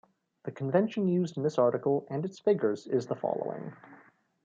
The convention used in this article and its figures is the following.